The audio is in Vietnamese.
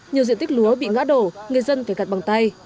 nhiều diện tích lúa bị ngã đổ người dân phải gạt bằng tay